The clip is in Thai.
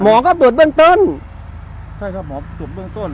หมอก็ตรวจเบื้องต้นใช่ครับหมอตรวจเบื้องต้น